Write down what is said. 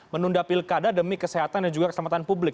menunda pilkada demi kesehatan dan juga keselamatan publik